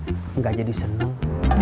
iya deh gak jadi seneng